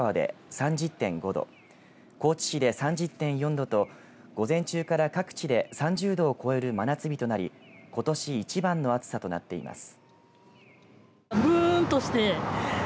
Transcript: ３０．５度高知市で３０．４度と午前中から各地で３０度を超える真夏日となりことし一番の暑さとなっています。